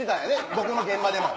どこの現場でも。